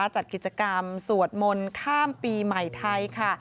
จัดกิจกรรมสวดมนต์ข้ามปีใหม่ไทยค่ะ